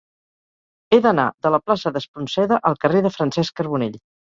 He d'anar de la plaça d'Espronceda al carrer de Francesc Carbonell.